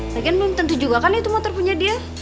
lagian belum tentu juga kan itu motor punya dia